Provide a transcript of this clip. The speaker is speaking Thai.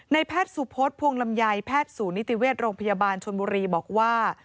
แพทย์สุพศพวงลำไยแพทย์ศูนย์นิติเวชโรงพยาบาลชนบุรีบอกว่า